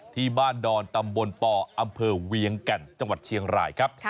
ที่บ้านดอนตำบลปอำเภอเวียงแก่นจังหวัดเชียงรายครับ